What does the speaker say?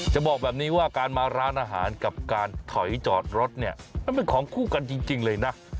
จะบอกแบบนี้ว่าการมาร้านอาหารกับการถอยจอดรถเนี่ยมันเป็นของคู่กันจริงเลยนะ